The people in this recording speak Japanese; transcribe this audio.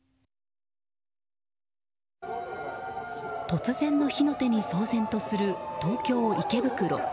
突然の火の手に騒然とする東京・池袋。